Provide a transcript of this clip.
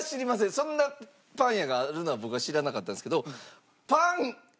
そんなパン屋があるのは僕は知らなかったんですけど。